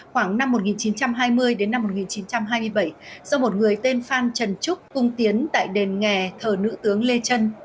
khoảng năm một nghìn chín trăm hai mươi đến năm một nghìn chín trăm hai mươi bảy do một người tên phan trần trúc cung tiến tại đền nghề thờ nữ tướng lê trân